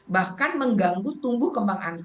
bahkan mengganggu tumbuh kembang anak